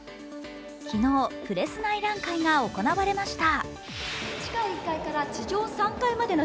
昨日、プレス内覧会が行われました。